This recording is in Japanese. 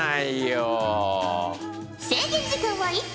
制限時間は１分。